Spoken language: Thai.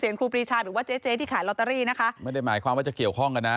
ครูปรีชาหรือว่าเจ๊เจ๊ที่ขายลอตเตอรี่นะคะไม่ได้หมายความว่าจะเกี่ยวข้องกันนะ